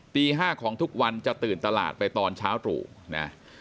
ตี๕ของทุกวันจะตื่นตลาดไปตอนเช้าตรู่นะ